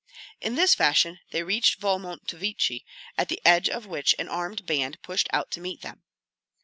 In this fashion they reached Volmontovichi, at the edge of which an armed band pushed out to meet them.